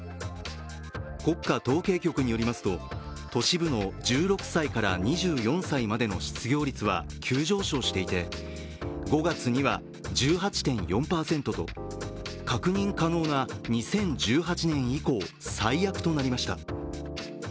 国家統計局によりますと、都市部の１６歳から２４歳までの失業率は急上昇していて、５月には１８．４％と確認可能な２０１８年以降、最悪となりました。